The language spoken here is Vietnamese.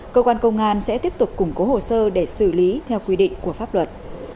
cơ quan công an sẽ tiếp tục củng cố hồ sơ để xử lý theo quy định của pháp luật